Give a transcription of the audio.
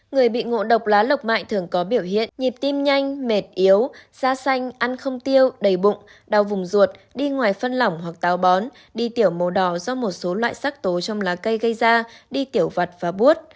người bị ngộ độc lá lộc mạnh thường có biểu hiện nhịp tim nhanh mệt yếu da xanh ăn không tiêu đầy bụng đau vùng ruột đi ngoài phân lỏng hoặc táo bón đi tiểu màu đỏ do một số loại sắc tố trong lá cây gây ra đi tiểu vặt và bút